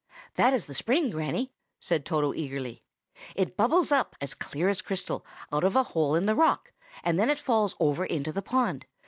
"That is the spring, Granny!" said Toto eagerly. "It bubbles up, as clear as crystal, out of a hole in the rock, and then it falls over into the pool.